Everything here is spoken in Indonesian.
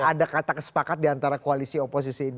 ada kata kesepakatan di antara koalisi oposisi ini